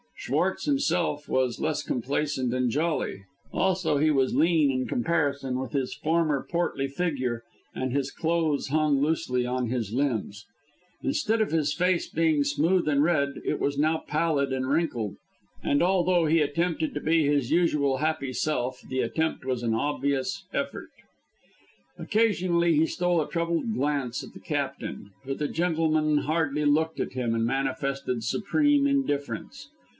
Schwartz himself was less complacent and jolly, also he was lean in comparison with his former portly figure, and his clothes hung loosely on his limbs. Instead of his face being smooth and red, it was now pallid, and wrinkled, and although he attempted to be his usual happy self, the attempt was an obvious effort. Occasionally he stole a troubled glance at the Captain, but that gentleman hardly looked at him and manifested supreme indifference.